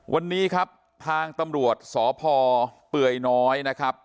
วันนี้ครับทางตำรวจสพเปื่อยน้อยนะครับ